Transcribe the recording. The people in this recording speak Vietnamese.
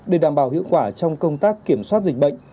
để đảm bảo hiệu quả trong công tác kiểm soát dịch bệnh